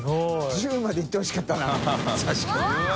１０までいってほしかったな。